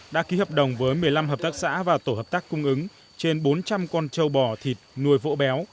đã ký hợp đồng với một mươi năm hợp tác xã và tổ hợp tác cung ứng trên bốn trăm linh con châu bò thịt nuôi vỗ béo